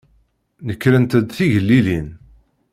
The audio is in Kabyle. Nekrent-d d tigellilin.